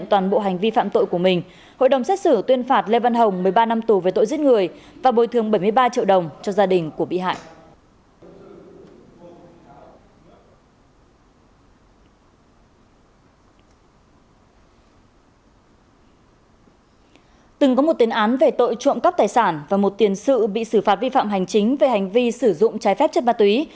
từng có một tiến án về tội trộm cắp tài sản và một tiền sự bị xử phạt vi phạm hành chính về hành vi sử dụng trái phép chất ma túy